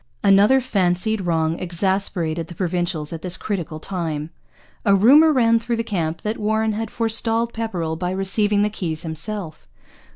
Another fancied wrong exasperated the Provincials at this critical time. A rumour ran through the camp that Warren had forestalled Pepperrell by receiving the keys himself.